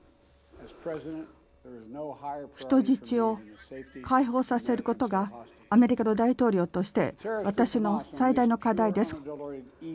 人質を解放させることがアメリカの大統領として私の最大の課題です。